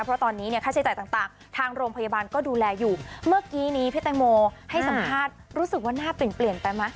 เพราะตอนนี้เนี่ยค่าใช้จ่ายต่างทางโรงพยาบาลก็ดูแลอยู่เมื่อกี้นี้พี่แตงโมให้สัมภาษณ์รู้สึกว่าหน้าเปลี่ยนเปลี่ยนไปไหม